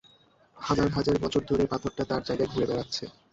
হাজার হাজার বছর ধরে পাথরটা তার জায়গায় ঘুরে বেড়াচ্ছে।